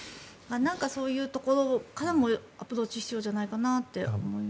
そういうところからもアプローチが必要じゃないかなと思います。